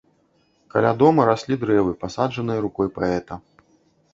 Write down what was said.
Каля дома раслі дрэвы, пасаджаныя рукой паэта.